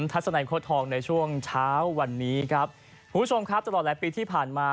ทัศนัยโค้ดทองในช่วงเช้าวันนี้ครับคุณผู้ชมครับตลอดหลายปีที่ผ่านมา